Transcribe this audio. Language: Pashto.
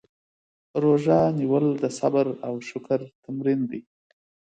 روژه نیول د صبر او شکر تمرین دی.